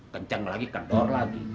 kencang lagi kendor lagi